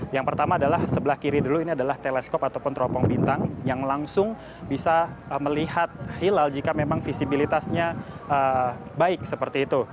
yang pertama adalah sebelah kiri dulu ini adalah teleskop ataupun teropong bintang yang langsung bisa melihat hilal jika memang visibilitasnya baik seperti itu